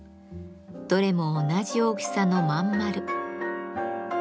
どれも同じ大きさの真ん丸。